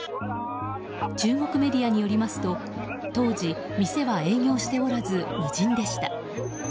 中国メディアによりますと当時、店は営業しておらず無人でした。